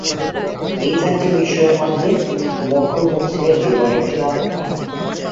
এই চারটি বিষয়ের মধ্যে মোক্ষ হচ্ছে জীবনের চূড়ান্ত প্রাপ্তি।